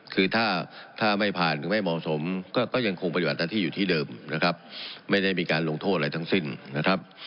คือถ้าถ้าไม่ผ่านหรือไม่เหมาะสมก็ยังคงปฏิบัติหน้าที่อยู่ที่เดิมนะครับไม่ได้มีการลงโทษอะไรทั้งสิ้นนะครับ